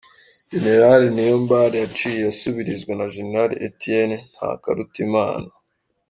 General Niyombare yaciye asubirizwa na Gen Etienne Ntakarutimana.